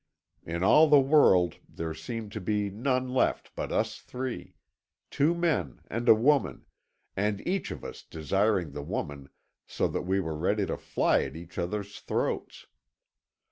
In all the world there seemed to be none left but us three; two men and a woman, and each of us desiring the woman so that we were ready to fly at each other's throats.